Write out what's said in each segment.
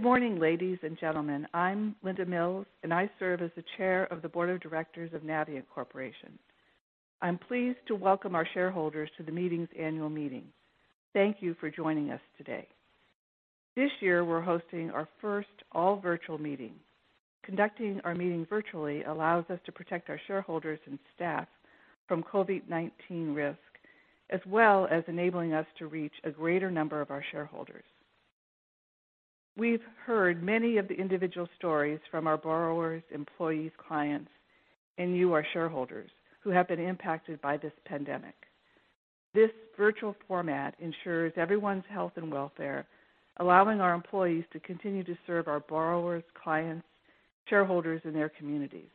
Good morning, ladies and gentlemen. I'm Linda Mills. I serve as the chair of the board of directors of Navient Corporation. I'm pleased to welcome our shareholders to the meeting's annual meeting. Thank you for joining us today. This year, we're hosting our first all-virtual meeting. Conducting our meeting virtually allows us to protect our shareholders and staff from COVID-19 risk, as well as enabling us to reach a greater number of our shareholders. We've heard many of the individual stories from our borrowers, employees, clients, and you, our shareholders, who have been impacted by this pandemic. This virtual format ensures everyone's health and welfare, allowing our employees to continue to serve our borrowers, clients, shareholders, and their communities.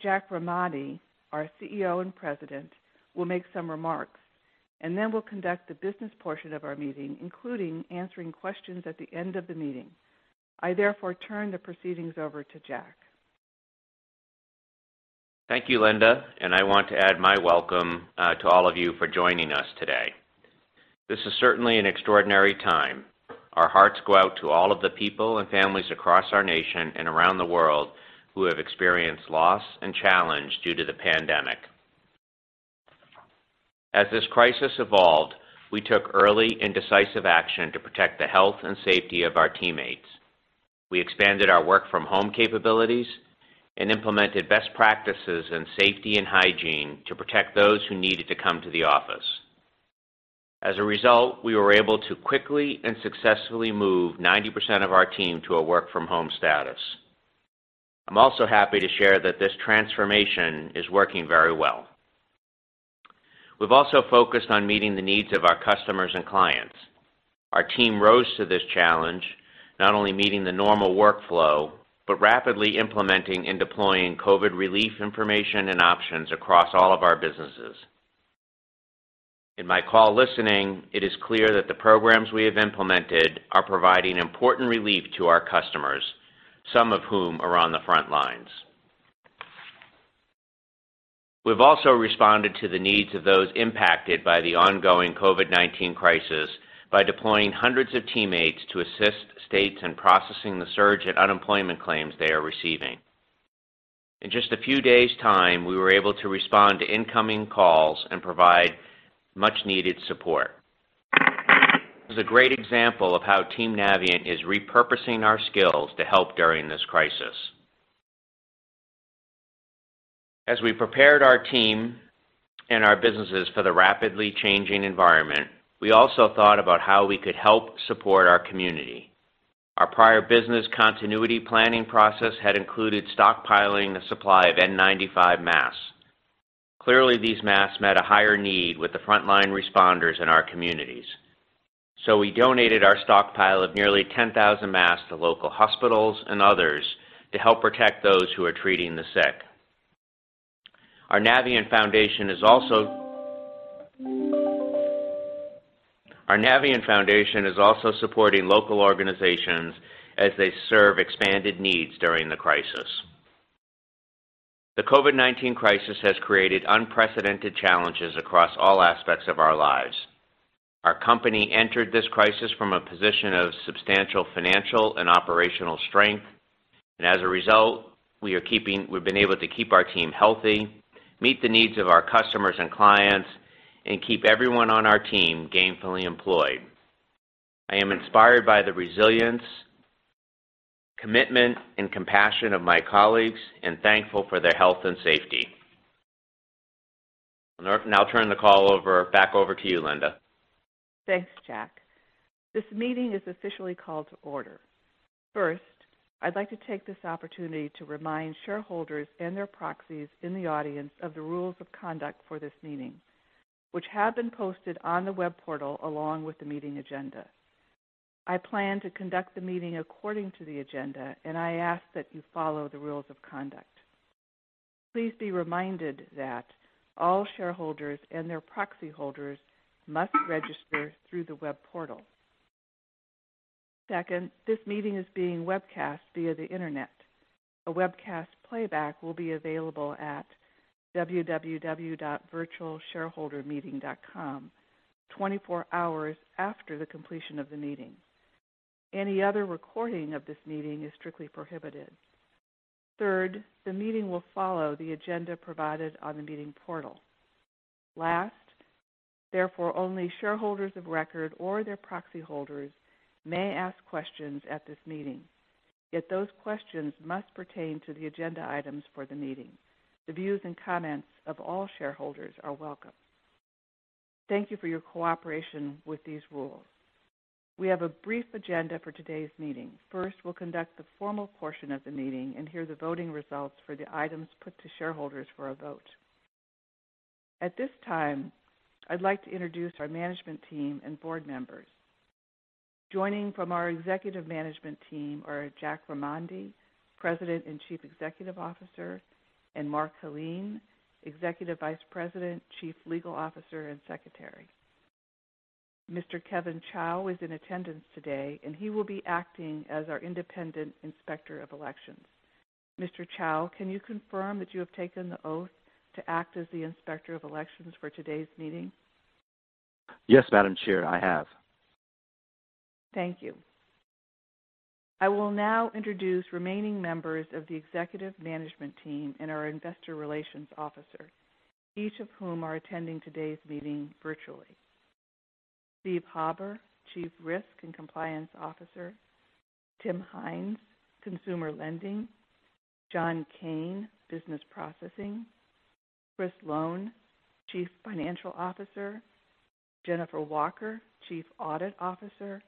Jack Remondi, our CEO and President, will make some remarks. We'll conduct the business portion of our meeting, including answering questions at the end of the meeting. I therefore turn the proceedings over to Jack. Thank you, Linda, and I want to add my welcome to all of you for joining us today. This is certainly an extraordinary time. Our hearts go out to all of the people and families across our nation and around the world who have experienced loss and challenge due to the pandemic. As this crisis evolved, we took early and decisive action to protect the health and safety of our teammates. We expanded our work from home capabilities and implemented best practices in safety and hygiene to protect those who needed to come to the office. As a result, we were able to quickly and successfully move 90% of our team to a work from home status. I'm also happy to share that this transformation is working very well. We've also focused on meeting the needs of our customers and clients. Our team rose to this challenge, not only meeting the normal workflow, but rapidly implementing and deploying COVID relief information and options across all of our businesses. In my call listening, it is clear that the programs we have implemented are providing important relief to our customers, some of whom are on the front lines. We've also responded to the needs of those impacted by the ongoing COVID-19 crisis by deploying hundreds of teammates to assist states in processing the surge in unemployment claims they are receiving. In just a few days' time, we were able to respond to incoming calls and provide much needed support. It was a great example of how Team Navient is repurposing our skills to help during this crisis. As we prepared our team and our businesses for the rapidly changing environment, we also thought about how we could help support our community. Our prior business continuity planning process had included stockpiling a supply of N95 masks. Clearly, these masks met a higher need with the frontline responders in our communities. We donated our stockpile of nearly 10,000 masks to local hospitals and others to help protect those who are treating the sick. Our Navient Foundation is also supporting local organizations as they serve expanded needs during the crisis. The COVID-19 crisis has created unprecedented challenges across all aspects of our lives. Our company entered this crisis from a position of substantial financial and operational strength, and as a result, we've been able to keep our team healthy, meet the needs of our customers and clients, and keep everyone on our team gainfully employed. I am inspired by the resilience, commitment, and compassion of my colleagues and thankful for their health and safety. I'll now turn the call back over to you, Linda. Thanks, Jack. This meeting is officially called to order. First, I'd like to take this opportunity to remind shareholders and their proxies in the audience of the rules of conduct for this meeting, which have been posted on the web portal along with the meeting agenda. I plan to conduct the meeting according to the agenda, and I ask that you follow the rules of conduct. Please be reminded that all shareholders and their proxy holders must register through the web portal. Second, this meeting is being webcast via the internet. A webcast playback will be available at www.virtualshareholdermeeting.com 24 hours after the completion of the meeting. Any other recording of this meeting is strictly prohibited. Third, the meeting will follow the agenda provided on the meeting portal. Last, therefore, only shareholders of record or their proxy holders may ask questions at this meeting, yet those questions must pertain to the agenda items for the meeting. The views and comments of all shareholders are welcome. Thank you for your cooperation with these rules. We have a brief agenda for today's meeting. First, we'll conduct the formal portion of the meeting and hear the voting results for the items put to shareholders for a vote. At this time, I'd like to introduce our management team and board members. Joining from our executive management team are Jack Remondi, President and Chief Executive Officer, and Mark Heleen, Executive Vice President, Chief Legal Officer, and Secretary. Mr. Kevin Chao is in attendance today, and he will be acting as our independent inspector of elections. Chao, can you confirm that you have taken the oath to act as the Inspector of Elections for today's meeting? Yes, Madam Chair, I have. Thank you. I will now introduce remaining members of the executive management team and our investor relations officer, each of whom are attending today's meeting virtually. Steve Hauber, Chief Risk and Compliance Officer. Tim Hynes, Consumer Lending. John Kane, Business Processing. Chris Lown, Chief Financial Officer. Jennifer Walker, Chief Audit Officer,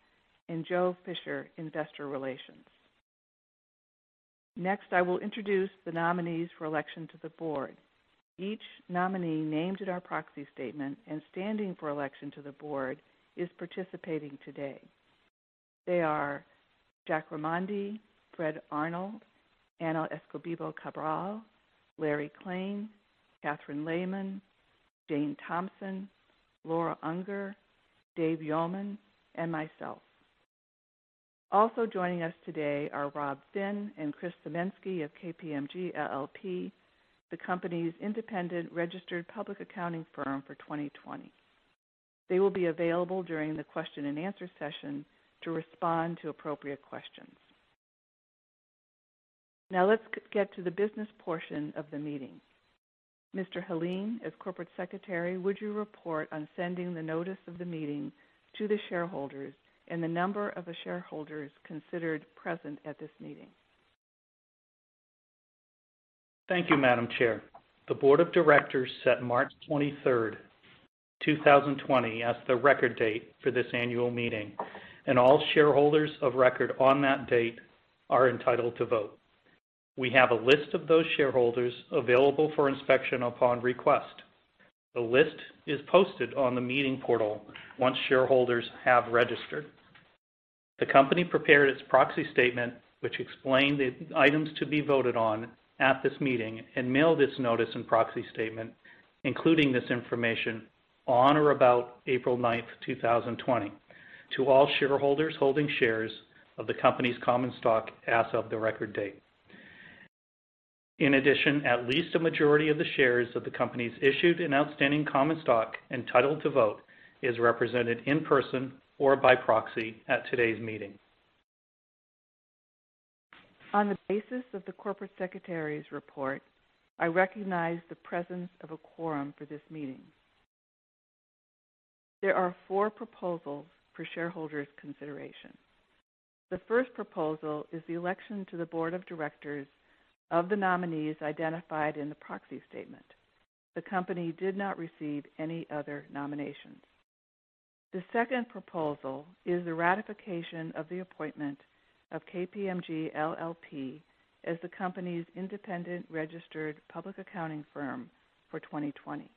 and Joe Fisher, Investor Relations. Next, I will introduce the nominees for election to the board. Each nominee named in our proxy statement and standing for election to the board is participating today. They are Jack Remondi, Fred Arnold, Anna Escobedo Cabral, Larry Klane, Kathryn Lehman, Jane Thompson, Laura Unger, Dave Yowan, and myself. Also joining us today are Rob Finn and Chris Cimino of KPMG LLP, the company's independent registered public accounting firm for 2020. They will be available during the question and answer session to respond to appropriate questions. Let's get to the business portion of the meeting. Mr. Heleen, as Corporate Secretary, would you report on sending the notice of the meeting to the shareholders and the number of the shareholders considered present at this meeting? Thank you, Madam Chair. The board of directors set March 23rd, 2020, as the record date for this annual meeting, and all shareholders of record on that date are entitled to vote. We have a list of those shareholders available for inspection upon request. The list is posted on the meeting portal once shareholders have registered. The company prepared its proxy statement, which explained the items to be voted on at this meeting, and mailed its notice and proxy statement, including this information, on or about April 9th, 2020, to all shareholders holding shares of the company's common stock as of the record date. In addition, at least a majority of the shares of the company's issued and outstanding common stock entitled to vote is represented in person or by proxy at today's meeting. On the basis of the Corporate Secretary's report, I recognize the presence of a quorum for this meeting. There are four proposals for shareholders' consideration. The first proposal is the election to the Board of Directors of the nominees identified in the proxy statement. The company did not receive any other nominations. The second proposal is the ratification of the appointment of KPMG LLP as the company's independent registered public accounting firm for 2020.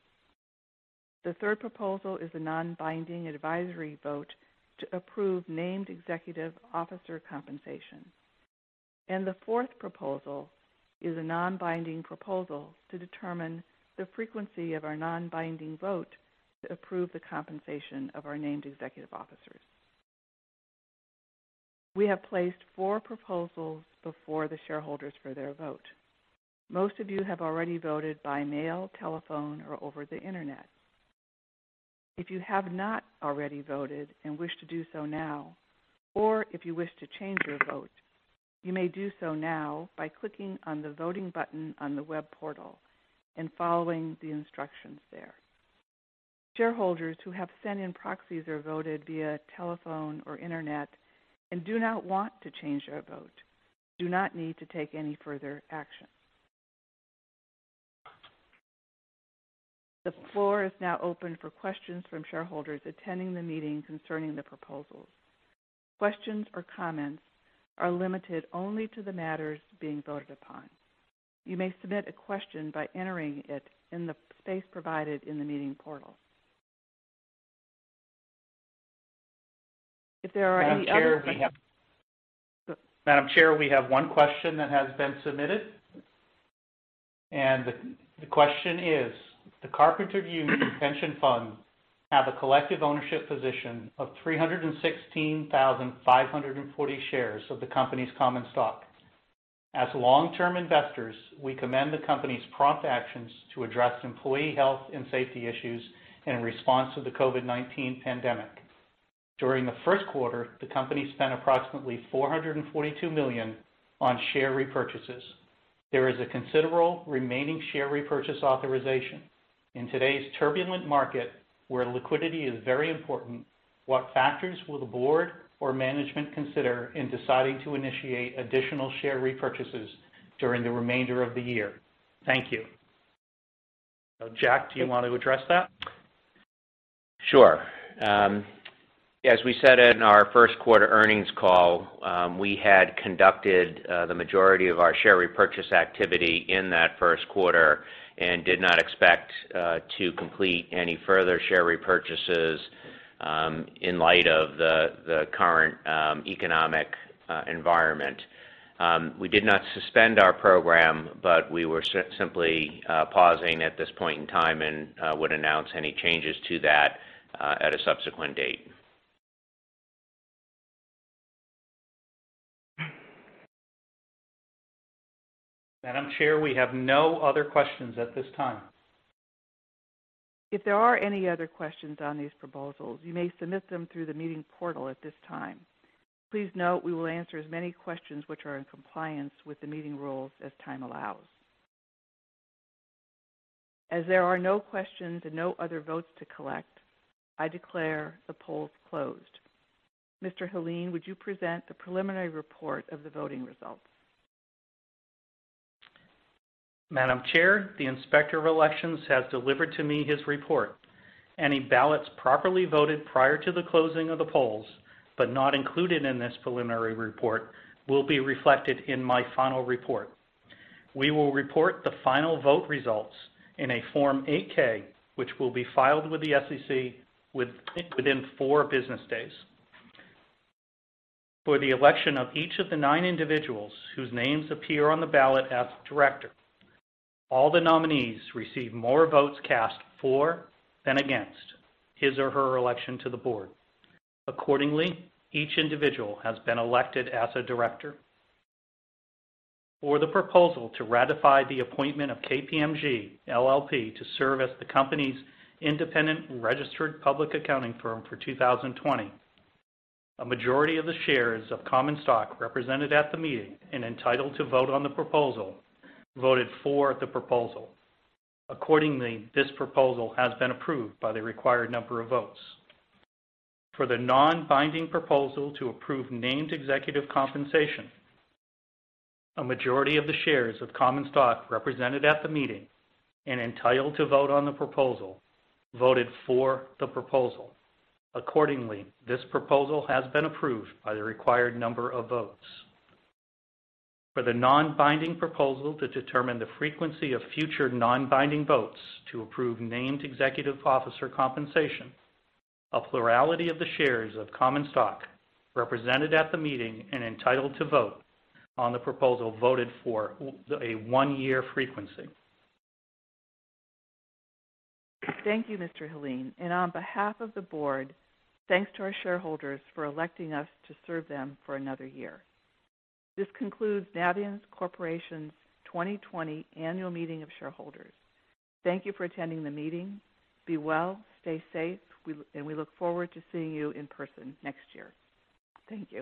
The third proposal is a non-binding advisory vote to approve named executive officer compensation. The fourth proposal is a non-binding proposal to determine the frequency of our non-binding vote to approve the compensation of our named executive officers. We have placed four proposals before the shareholders for their vote. Most of you have already voted by mail, telephone, or over the Internet. If you have not already voted and wish to do so now, or if you wish to change your vote, you may do so now by clicking on the voting button on the web portal and following the instructions there. Shareholders who have sent in proxies or voted via telephone or Internet and do not want to change their vote do not need to take any further action. The floor is now open for questions from shareholders attending the meeting concerning the proposals. Questions or comments are limited only to the matters being voted upon. You may submit a question by entering it in the space provided in the meeting portal. If there are any other. Madam Chair, we have one question that has been submitted. The question is: The Carpenters Union Pension Fund have a collective ownership position of 316,540 shares of the company's common stock. As long-term investors, we commend the company's prompt actions to address employee health and safety issues in response to the COVID-19 pandemic. During the first quarter, the company spent approximately $442 million on share repurchases. There is a considerable remaining share repurchase authorization. In today's turbulent market, where liquidity is very important, what factors will the board or management consider in deciding to initiate additional share repurchases during the remainder of the year? Thank you. Jack, do you want to address that? Sure. As we said in our first quarter earnings call, we had conducted the majority of our share repurchase activity in that first quarter and did not expect to complete any further share repurchases in light of the current economic environment. We did not suspend our program, but we were simply pausing at this point in time and would announce any changes to that at a subsequent date. Madam Chair, we have no other questions at this time. If there are any other questions on these proposals, you may submit them through the meeting portal at this time. Please note we will answer as many questions which are in compliance with the meeting rules as time allows. There are no questions and no other votes to collect, I declare the polls closed. Mr. Heleen, would you present the preliminary report of the voting results? Madam Chair, the Inspector of Elections has delivered to me his report. Any ballots properly voted prior to the closing of the polls, but not included in this preliminary report, will be reflected in my final report. We will report the final vote results in a Form 8-K, which will be filed with the SEC within four business days. For the election of each of the nine individuals whose names appear on the ballot as a director, all the nominees received more votes cast for than against his or her election to the board. Accordingly, each individual has been elected as a director. For the proposal to ratify the appointment of KPMG LLP to serve as the company's independent registered public accounting firm for 2020, a majority of the shares of common stock represented at the meeting and entitled to vote on the proposal voted for the proposal. Accordingly, this proposal has been approved by the required number of votes. For the non-binding proposal to approve named executive compensation, a majority of the shares of common stock represented at the meeting and entitled to vote on the proposal voted for the proposal. Accordingly, this proposal has been approved by the required number of votes. For the non-binding proposal to determine the frequency of future non-binding votes to approve named executive officer compensation, a plurality of the shares of common stock represented at the meeting and entitled to vote on the proposal voted for a one-year frequency. Thank you, Mr. Heleen. On behalf of the board, thanks to our shareholders for electing us to serve them for another year. This concludes Navient Corporation's 2020 Annual Meeting of Shareholders. Thank you for attending the meeting. Be well, stay safe, and we look forward to seeing you in person next year. Thank you.